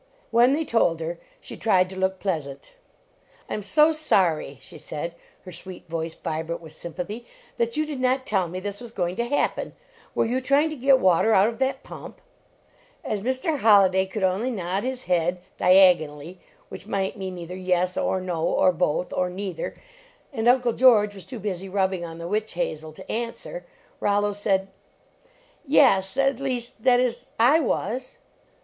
When they told her she tried to look p! ant. " I am so sorry," she said, her sweet voice vibrant with sympathy, "that you did not tell me this was going to happen. \Yerevou trying to get water out of that pump?" As Mr. Holliday could only nod hi* head diagonally, which might mean either yi DO, or both, or neither, and Uncl< 57 LEARNING TO WORK was too busy rubbing on the witch hazel i > answer, Rollo said :" Yes, at least that is I was."